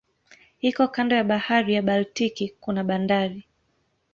Iko kando ya bahari ya Baltiki kuna bandari.